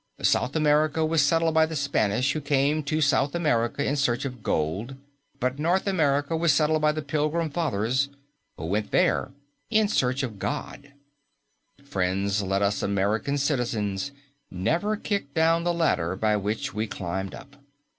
South America was settled by the Spanish who came to South America in search of gold, but North America was settled by the Pilgrim Fathers who went there in search of God." Friends, let us as American citizens never kick down the ladder by which we climbed up.